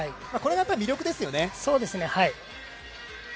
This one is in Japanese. これが魅力ですよね。